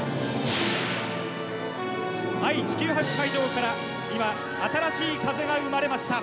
愛・地球博会場から今新しい風が生まれました！